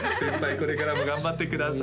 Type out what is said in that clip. これからも頑張ってください